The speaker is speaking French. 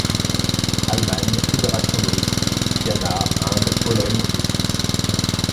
Allemagne, Fédération de Russie, Ghana, Inde, Pologne et Suisse.